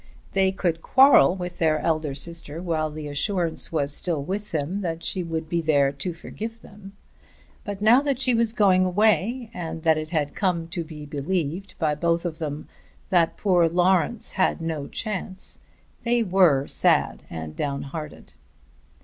They could quarrel with their elder sister while the assurance was still with them that she would be there to forgive them; but now that she was going away and that it had come to be believed by both of them that poor Lawrence had no chance, they were sad and downhearted.